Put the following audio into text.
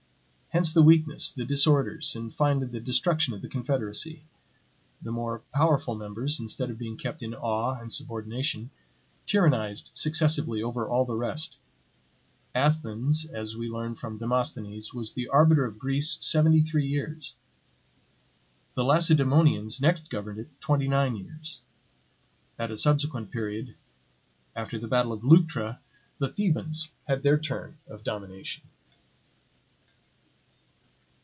Hence the weakness, the disorders, and finally the destruction of the confederacy. The more powerful members, instead of being kept in awe and subordination, tyrannized successively over all the rest. Athens, as we learn from Demosthenes, was the arbiter of Greece seventy three years. The Lacedaemonians next governed it twenty nine years; at a subsequent period, after the battle of Leuctra, the Thebans had their turn of domination.